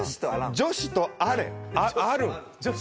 女子とある。